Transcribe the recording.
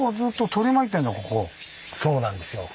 そうなんですよ。